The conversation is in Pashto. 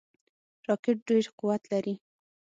راکټ ډیر قوت لري